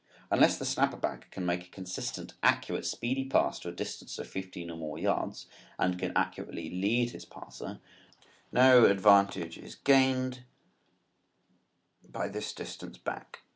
Unless the snapper back can make a consistent, accurate, speedy pass to a distance of fifteen or more yards and can accurately lead his passer, no advantage is gained by this distance back.